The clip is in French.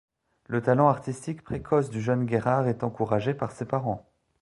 Le talent artistique précoce du jeune Gerhard est encouragé par ses parents.